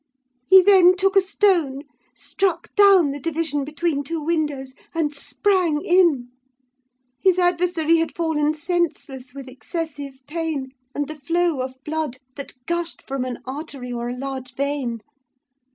He then took a stone, struck down the division between two windows, and sprang in. His adversary had fallen senseless with excessive pain and the flow of blood, that gushed from an artery or a large vein.